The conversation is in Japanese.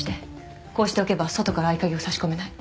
こうしておけば外から合鍵を差し込めない。